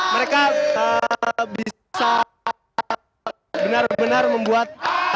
mereka bisa benar benar membuat